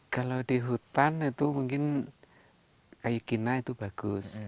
kalau di hutan itu mungkin kayu kina itu bagus